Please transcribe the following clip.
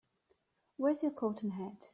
Where's your coat and hat?